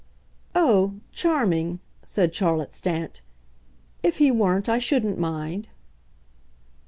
"Oh, charming," said Charlotte Stant. "If he weren't I shouldn't mind."